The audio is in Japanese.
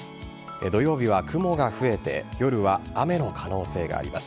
土曜日は雲が増えて夜は雨の可能性があります。